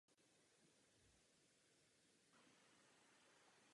Formovala ho historie rodného města i lidová architektura okolních vesnic.